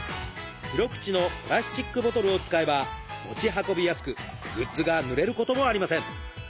広口のプラスチックボトルを使えば持ち運びやすくグッズがぬれることもありません。